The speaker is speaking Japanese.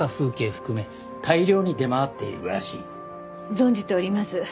存じております。